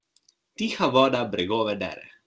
Tiha voda bregove dere.